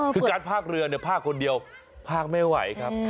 คือการพากเรือเนี่ยพากคนเดียวพากไม่ไหวครับ